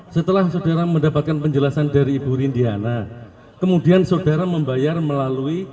setelah saudara mendapatkan penjelasan dari ibu rindiana kemudian saudara membayar melalui